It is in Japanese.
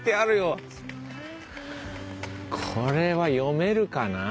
これは読めるかな？